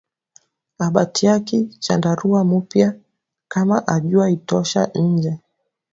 Abatiaki chandarua mupya kama auja itosha inje